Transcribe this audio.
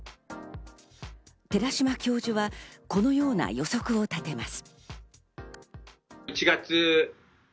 寺嶋教授はこのような予測を立てます。